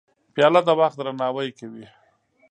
پیاله د وخت درناوی کوي.